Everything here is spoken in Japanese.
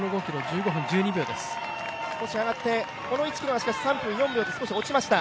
少し上がって、この１ｋｍは３分４秒と少し落ちました。